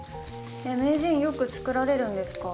名人よく作られるんですか？